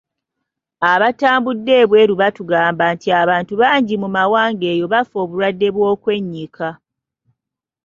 Abatambudde ebweru batugamba nti abantu bangi mu mawanga eyo bafa obulwadde bw’okwennyika.